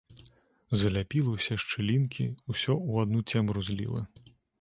Заляпіла ўсе шчылінкі, усё ў адну цемру зліла.